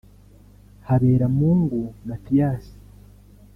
Haberamungu Mathias